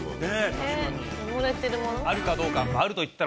あるかどうか。